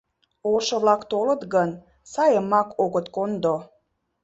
Ошо-влак толыт гын, сайымак огыт кондо!»